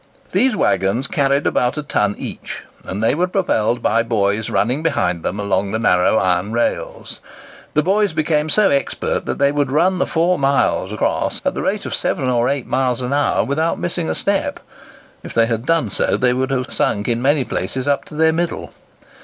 These waggons carried about a ton each, and they were propelled by boys running behind them along the narrow iron rails. The boys became so expert that they would run the 4 miles across at the rate of 7 or 8 miles an hour without missing a step; if they had done so, they would have sunk in many places up to their middle.